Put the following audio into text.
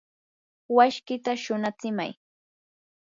washkita shunatsimay.